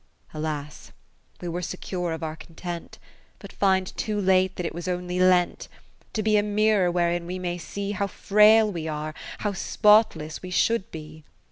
70 Alas ! we were secure of our con tent ; But find too late that it was only lent, To be a mirror wherein we may see How frail we are, how spotless we should be.